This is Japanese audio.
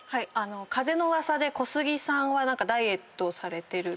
風の噂で小杉さんはダイエットをされてるって。